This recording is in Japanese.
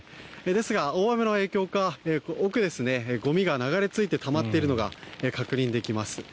ですが、大雨の影響か奥、ゴミが流れ着いてたまっているのが確認できます。